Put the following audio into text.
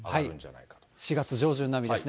４月上旬並みですね。